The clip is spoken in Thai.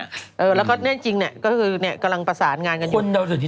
เออเหนื่องฯแล้วก็นี่จริงเนี่ยกลางประสานงานกันอยู่